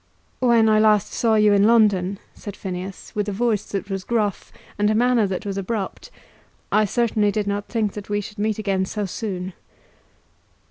"When I saw you last in London," said Phineas, with a voice that was gruff, and a manner that was abrupt, "I certainly did not think that we should meet again so soon."